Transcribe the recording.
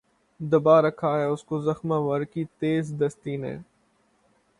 دبا رکھا ہے اس کو زخمہ ور کی تیز دستی نے